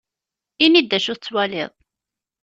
Ini-d d acu tettwaliḍ.